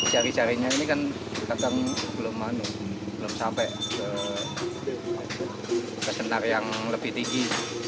jari jarinya ini kan kadang belum sampai ke senar yang lebih tinggi